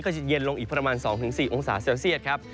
จะเย็นลงอีกประมาณ๒๔องศาเซลเซียตครับ